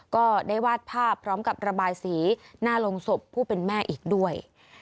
ก็ได้วาดภาพพร้อมกับระบายสีหน้าโรงศพผู้เป็นแม่อีกด้วย